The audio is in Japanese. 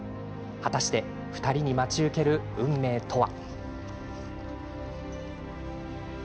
果たして２人に待ち受ける運命とは。